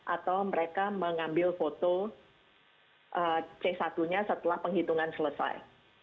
atau mereka mengambil foto c satu nya setelah penghitungan selesai